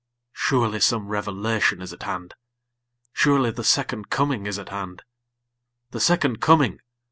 Surely some revelation is at hand; Surely the Second Coming is at hand. The Second Coming!